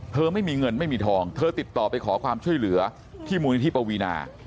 ไม่มีเงินไม่มีทองเธอติดต่อไปขอความช่วยเหลือที่มูลนิธิปวีนา